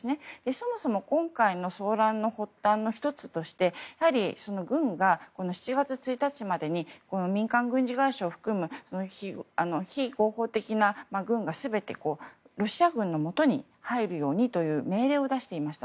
そもそも今回の騒乱の発端の１つとしてやはり、軍が７月１日までに民間軍事会社を含む非合法的な軍が全てロシア軍のもとに入るようにという命令を出していました。